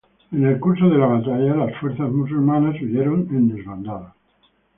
En el curso de la batalla, las fuerzas musulmanas huyeron en desbandada.